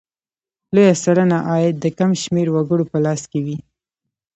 لویه سلنه عاید د کم شمېر وګړو په لاس کې وي.